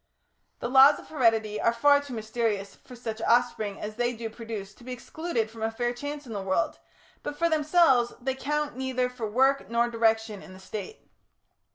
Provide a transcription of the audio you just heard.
The laws of heredity are far too mysterious for such offspring as they do produce to be excluded from a fair chance in the world, but for themselves, they count neither for work nor direction in the State.